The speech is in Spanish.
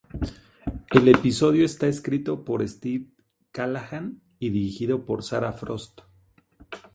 El episodio está escrito por Steve Callaghan y dirigido por Sarah Frost.